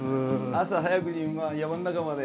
朝早くに山の中まで。